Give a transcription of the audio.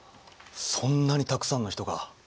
そんなにたくさんの人が。